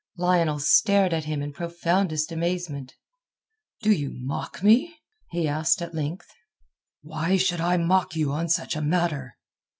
Lionel stared at him in profoundest amazement. "Do you mock me?" he asked at length. "Why should I mock you on such a matter?"